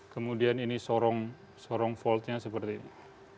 kemudian ini sorong voltnya seperti ini